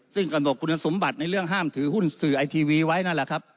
ซึ่งกำหนดคุณสมบัติในเรื่องห้ามถือหุ้นสื่อไอทีวีไว้นั่นแหละครับ